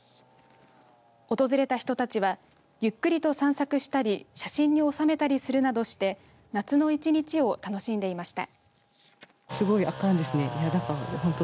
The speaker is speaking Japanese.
訪れた人たちはゆっくりと散策したり写真に収めたりするなどして夏の１日を楽しんでいました。